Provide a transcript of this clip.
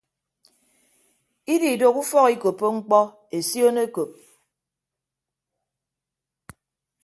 Ididooho ufọk ikoppo mkpọ esion ekop.